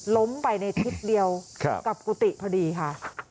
ล้มไปในทิศเดียวกับกุฏิพอดีค่ะ